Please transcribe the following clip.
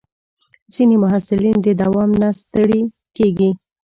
ځینې محصلین د دوام نه ستړي کېږي.